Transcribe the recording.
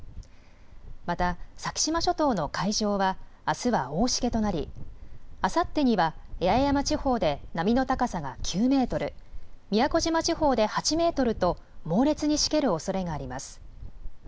また先島諸島の海上はあすは大しけとなり、あさってには八重山地方で波の高さが９メートル、宮古島地方で８メートルと猛烈にしけるおそれがあります。